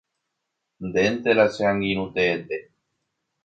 Ndénte la che angirũ teete.